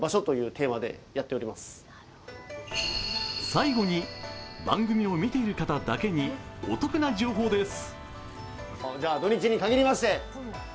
最後に番組を見ている方だけにお得な情報です。